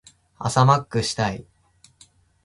朝マックしたい。